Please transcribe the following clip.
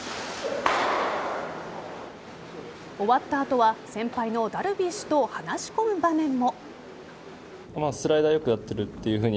終わった後は先輩のダルビッシュと話し込む場面も。